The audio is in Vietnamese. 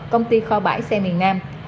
công ty kho bãi xe miền nam